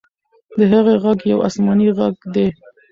د هغې ږغ یو آسماني ږغ دی.